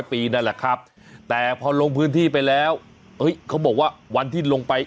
ปีนั่นแหละครับแต่พอลงพื้นที่ไปแล้วเขาบอกว่าวันที่ลงไป